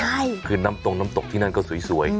ใช่คือน้ำตรงน้ำตกที่นั่นก็สวย